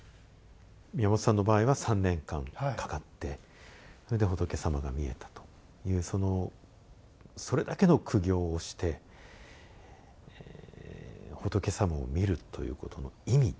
宮本さんの場合は３年間かかってそれで仏様が見えたというそのそれだけの苦行をして仏様を見るということの意味ですね。